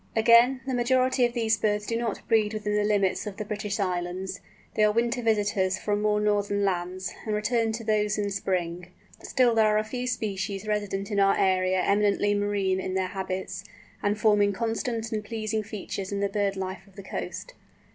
Again, the majority of these birds do not breed within the limits of the British Islands; they are winter visitors from more northern lands, and return to those lands in spring. Still there are a few species resident in our area eminently marine in their habits, and forming constant and pleasing features in the bird life of the coast.